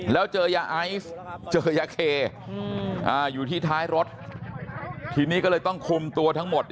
แล้วเจอยาไอซ์เจอยาเคอยู่ที่ท้ายรถทีนี้ก็เลยต้องคุมตัวทั้งหมด